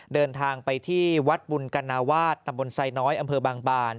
เดินทางไปที่วัดบุญกนาวาสตำบลไซน้อยอำเภอบางบาน